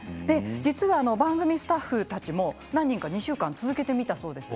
実は番組スタッフたちも何人か２週間続けてみたそうです。